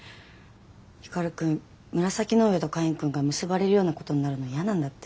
光くん紫の上とカインくんが結ばれるようなことになるのイヤなんだって。